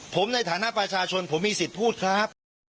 ผมในฐานะประชาชนผมมีสิทธิ์พูดครับ